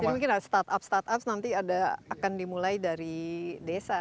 jadi mungkin ada startup startup nanti ada akan dimulai dari desa